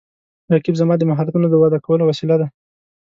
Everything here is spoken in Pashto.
رقیب زما د مهارتونو د وده کولو وسیله ده